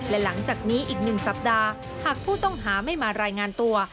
และหลังจากนี้อีก๑สัปดาห์หากผู้ต้องหาไม่มารายงานตัว